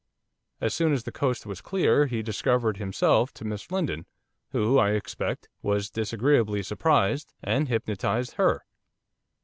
'As soon as the coast was clear he discovered himself to Miss Lindon, who, I expect, was disagreeably surprised, and hypnotised her.